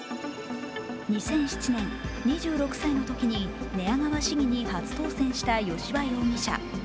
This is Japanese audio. ２００７年、２６歳のときに寝屋川市議に初当選した吉羽容疑者。